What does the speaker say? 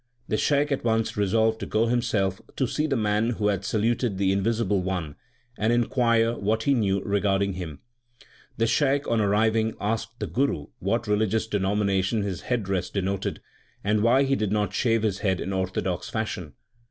The Shaikh at once resolved to go himself to see the man who had saluted the Invisible One, and inquire what he knew regarding Him. The Shaikh, on arriving, asked the Guru what religious denomination his head dress denoted, and why he did not shave his head in orthodox fashion.